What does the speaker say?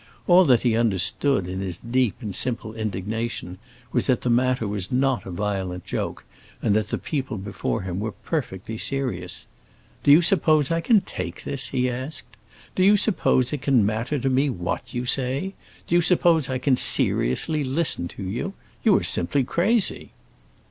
All that he understood, in his deep and simple indignation, was that the matter was not a violent joke, and that the people before him were perfectly serious. "Do you suppose I can take this?" he asked. "Do you suppose it can matter to me what you say? Do you suppose I can seriously listen to you? You are simply crazy!"